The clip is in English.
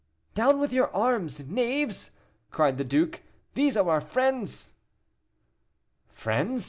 "Down with your arms, knaves," cried the duke, "these are friends." "Friends!"